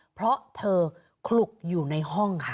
เพราะเธอคลุกอยู่ในห้องค่ะ